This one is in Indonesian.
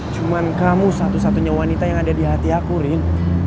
cuma kamu satu satunya wanita yang ada di hati aku rin